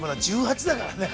１８だからね。